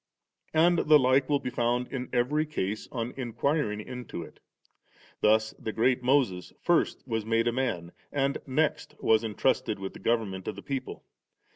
And the like will be found in every case on inquiring into it; — thus the great Moses first was made a man, and next was entrusted with the government of the people.